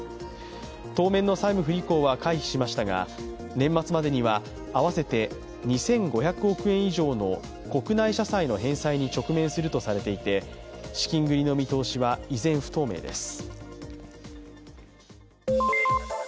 当面の債務不履行は回避しましたが、年末までには合わせて２５００億円以上の国内社債の返済に直面するとされていて資金繰りの見通しは依然不透明です。